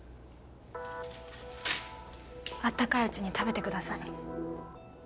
温かいうちに食べてください。